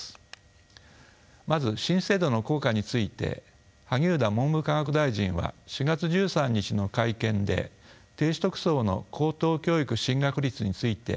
まず新制度の効果について萩生田文部科学大臣は４月１３日の会見で低所得層の高等教育進学率について次のように述べています。